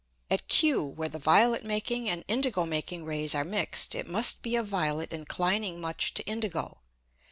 At Q where the violet making and indigo making Rays are mixed, it must be a violet inclining much to indigo.